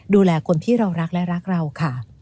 ดูแลคนที่เรารักและรักเราค่ะ